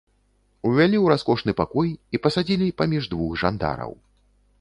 Увялі ў раскошны пакой і пасадзілі паміж двух жандараў.